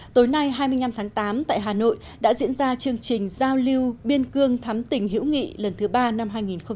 tối nay hai mươi năm tháng tám tại hà nội đã diễn ra chương trình giao lưu biên cương thắm tỉnh hữu nghị lần thứ ba năm hai nghìn một mươi chín